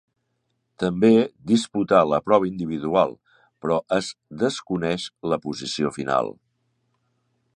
També disputà la prova individual, però es desconeix la posició final.